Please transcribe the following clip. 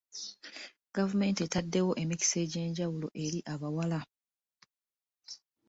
Gavumenti etaddewo emikisa egy'enjawulo eri abawala.